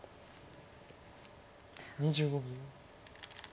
２５秒。